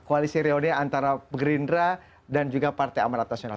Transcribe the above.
koalisi reunian antara pgrinra dan juga partai amarat nasional